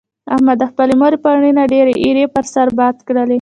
احمد د خپلې مور پر مړینه ډېرې ایرې پر سر باد کړلې.